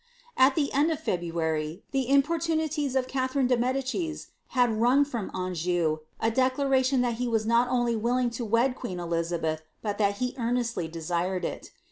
At the end of February, the importunities of Catherine de Medicis had wrung from Anjou a declaration that he was not only willing to wed queen Elizabeth, but that he earnestly desired it.